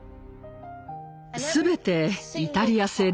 全てイタリア製です。